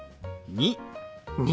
２。